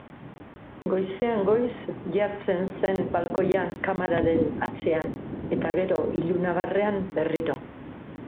Goizean goiz jartzen zen balkoian kamararen atzean eta gero ilunabarrean berriro.